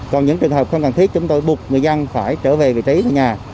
còn những trường hợp không cần thiết chúng tôi buộc người dân phải trở về vị trí nhà